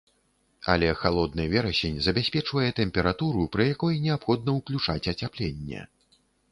Але халодны верасень забяспечвае тэмпературу, пры якой неабходна ўключаць ацяпленне.